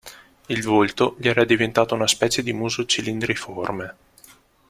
Il volto gli era diventato una specie di muso cilindriforme.